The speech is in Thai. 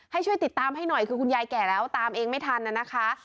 ให้ช่วยติดตามให้หน่อยคือคุณยายแก่แล้วตามเองไม่ทันนะคะ